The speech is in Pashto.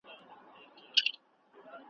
ډلي به راسي د توتکیو `